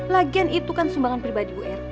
lagian itu kan sumbangan pribadi bu er